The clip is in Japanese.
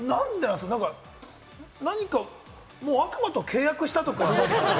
何か悪魔と契約したとか？